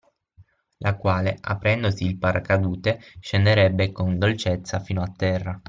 La quale, aprendosi il paracadute scenderebbe con dolcezza fino a terra.